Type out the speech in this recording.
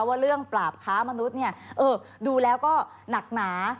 ว่าเรื่องปราบค้ามนุษย์เนี่ยเออดูแล้วก็หนักหนา